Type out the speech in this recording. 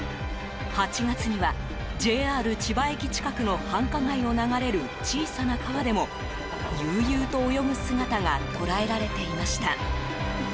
８月には、ＪＲ千葉駅近くの繁華街を流れる小さな川でも悠々と泳ぐ姿が捉えられていました。